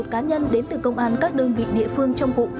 một mươi một cá nhân đến từ công an các đơn vị địa phương trong cụ